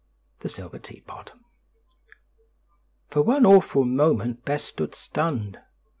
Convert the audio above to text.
the silver teapot! For one awful moment Bess stood stunned.